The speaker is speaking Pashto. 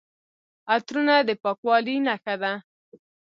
عطرونه د پاکوالي نښه ده.